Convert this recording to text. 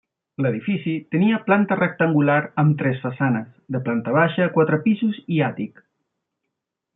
L'edifici tenia planta rectangular amb tres façanes, de planta baixa, quatre pisos i àtic.